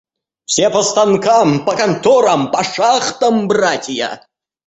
Все по станкам, по конторам, по шахтам братья.